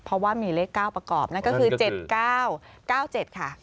เพราะว่ามีเลข๙ประกอบนั่นก็คือ๗๙๙๗ค่ะ